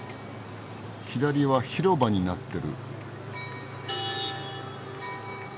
左は広場になってる。